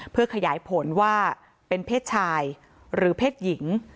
เพื่อขยายผลว่าเป็นเพศชายหรือเพศหญิง